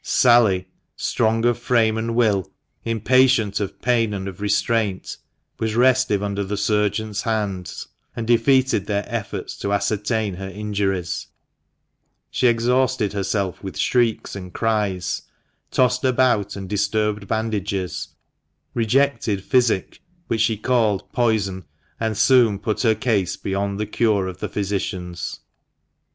Sally, strong of frame and will, impatient of pain and of restraint, was restive under the surgeons' 54 THE MANCHESTER MAN. hands, and defeated their efforts to ascertain her injuries. She exhausted herself with shrieks and cries, tossed about and disturbed bandages, rejected physic, which she called "poison," and soon put her case beyond the cure of physicians.